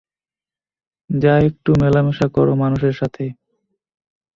যা একটু মেলামেশা কর মানুষের সাথে!